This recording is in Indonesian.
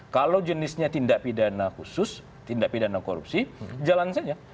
kalau jenisnya tindak pidana khusus tindak pidana korupsi jalan saja